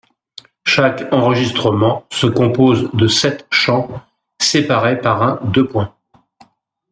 Chaque enregistrement se compose de sept champs séparés par un deux-points.